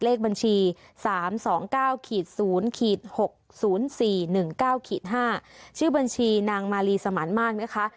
เลขบัญชี๓๒๙๐๖๐๔๑๙๕ชื่อบัญชีนางมาลีสมานมากนะคะ